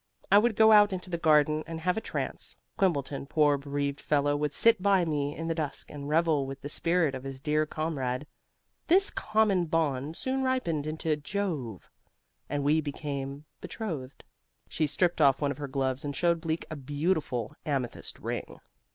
I would go out into the garden and have a trance; Quimbleton, poor bereaved fellow, would sit by me in the dusk and revel with the spirit of his dear comrade. This common bond soon ripened into Jove, and we became betrothed." She stripped off one of her gloves and showed Bleak a beautiful amethyst ring.